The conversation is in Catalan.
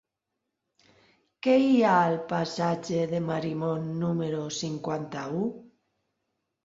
Què hi ha al passatge de Marimon número cinquanta-u?